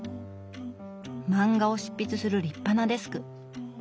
漫画を執筆する立派なデスク。